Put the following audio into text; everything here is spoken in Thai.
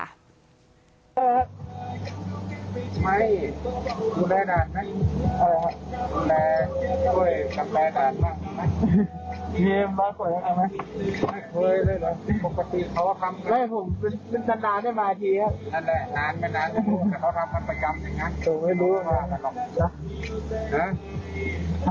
เออเขาจะมาตอนไหนนานครับแล้วเป็นไงเขามีกี่ชิ้นนี่มีหกชิ้น